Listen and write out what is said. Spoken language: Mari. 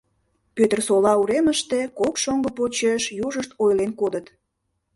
— Пӧтырсола уремыште кок шоҥго почеш южышт ойлен кодыт.